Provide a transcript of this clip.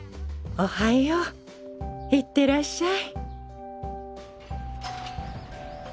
おはよう行ってらっしゃい。